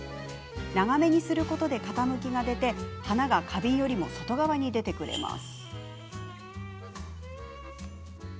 長めにすることで傾きが出て花が花瓶よりも外側に出てくれます。